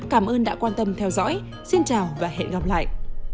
cảm ơn đã quan tâm theo dõi xin chào và hẹn gặp lại